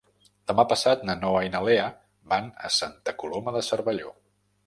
Demà passat na Noa i na Lea van a Santa Coloma de Cervelló.